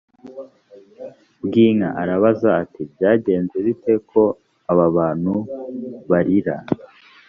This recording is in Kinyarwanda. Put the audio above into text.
bw inka arabaza ati byagenze bite ko aba bantu barira